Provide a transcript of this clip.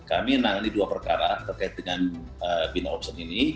kami menangani dua perkara terkait dengan binary option